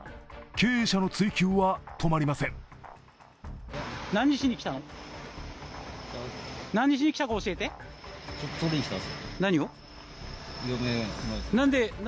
経営者の追及は止まりません。